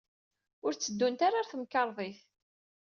Ur tteddunt ara ɣer temkarḍit.